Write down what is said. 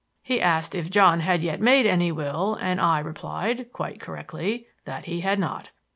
He asked if John had yet made any will, and I replied, quite correctly, that he had not.